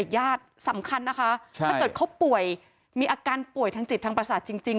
ญาติสำคัญนะคะถ้าเกิดเขาป่วยมีอาการป่วยทางจิตทางประสาทจริง